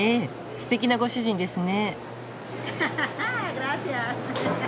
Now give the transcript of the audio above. ステキなご主人ですね。